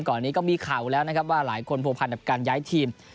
ก่อนนี้ก็มีข่าวแล้วนะครับว่าหลายคนผัวพันกับการย้ายทีม